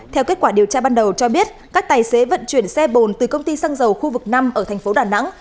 theo kết quả điều tra ban đầu cho biết các tài xế vận chuyển xe bồn từ công ty xăng dầu khu vực năm ở thành phố đà nẵng